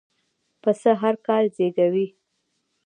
پسه هرکال زېږوي.